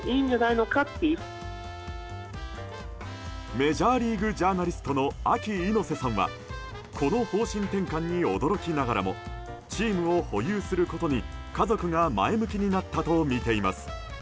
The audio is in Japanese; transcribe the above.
メジャーリーグジャーナリストのＡＫＩ猪瀬さんはこの方針転換に驚きながらもチームを保有することに、家族が前向きになったとみています。